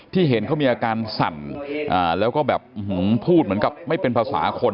เห็นเขามีอาการสั่นแล้วก็แบบพูดเหมือนกับไม่เป็นภาษาคน